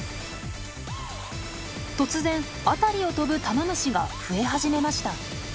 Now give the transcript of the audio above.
突然辺りを飛ぶタマムシが増え始めました。